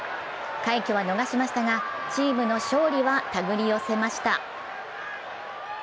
快挙は逃しましたが、チームの勝利は手繰り寄せました。